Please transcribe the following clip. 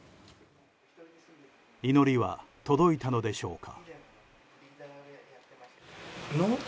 祈りは届いたのでしょうか。